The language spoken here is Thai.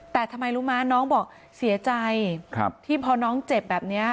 แต่ทำไมรู้มั้ยน้องบอกเสียใจที่พอน้องเจ็บแบบนี้